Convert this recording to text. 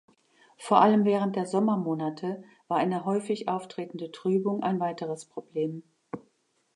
Vor allem während der Sommermonate war eine häufig auftretende Trübung ein weiteres Problem.